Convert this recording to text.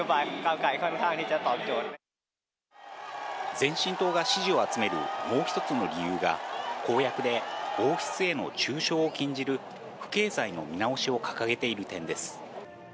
前進党が支持を集めるもう一つの理由が、公約で王室への中傷を禁じる不敬罪の見直しを掲げている点です。